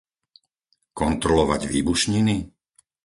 Kontrolovať výbušniny?